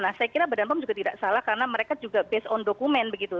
nah saya kira badan pom juga tidak salah karena mereka juga based on dokumen begitu